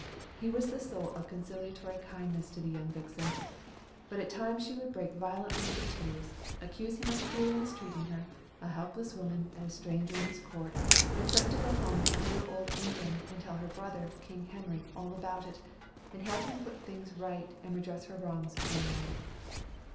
He was the soul of conciliatory kindness to the young vixen, but at times she would break violently into tears, accuse him of cruelly mistreating her, a helpless woman and a stranger in his court, and threaten to go home to dear old England and tell her brother, King Henry, all about it, and have him put things to right and redress her wrongs generally.